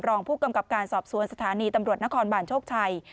รองผู้กำกับการสอบสวนสถานีตำรวจนครบาลโชคชัย